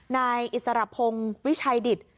นายอิสรพงศ์วิชัยดิต